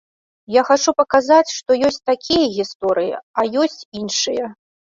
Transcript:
Я хачу паказаць, што ёсць такія гісторыі, а ёсць іншыя.